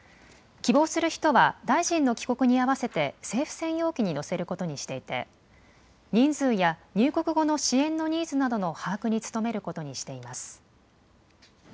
希望する人は大臣の帰国に合わせて政府専用機に乗せることにしていて人数や入国後の支援のニーズなどの把握に努めることにしています。